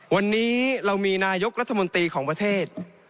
วันนี้เรามีนายกรัฐมนตรีของประเทศ